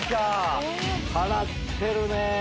払ってるね。